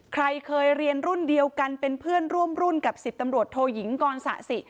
ใครเคยเรียนรุ่นเดียวกันเป็นเพื่อนร่วมรุ่นกับ๑๐ตำรวจโทยิงกรสะสิ